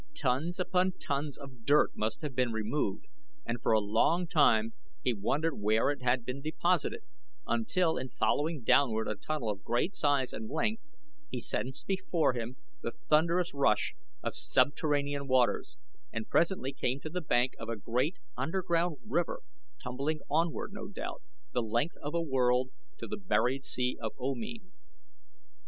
Tons upon tons of dirt must have been removed, and for a long time he wondered where it had been deposited, until in following downward a tunnel of great size and length he sensed before him the thunderous rush of subterranean waters, and presently came to the bank of a great, underground river, tumbling onward, no doubt, the length of a world to the buried sea of Omean.